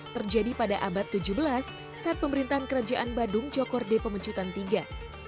terjadi pada abad tujuh belas saat pemerintahan kerajaan badung cokorde pemecutan iii